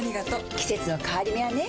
季節の変わり目はねうん。